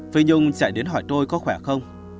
phi nhung chạy đến hỏi tôi có khỏe không